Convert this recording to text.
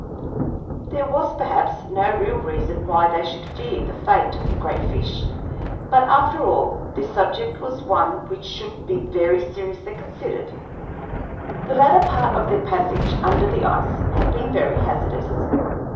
There was perhaps no real reason why they should fear the fate of the great fish, but, after all, this subject was one which should be very seriously considered. The latter part of their passage under the ice had been very hazardous.